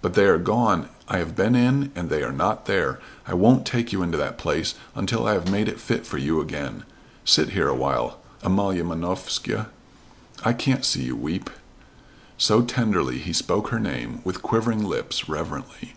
"But they are gone; I have been in and they are not there. I won't take you into that place until I have made it fit for you again. Sit here awhile. Amalia Manovska, I can't see you weep." So tenderly he spoke her name, with quivering lips, reverently.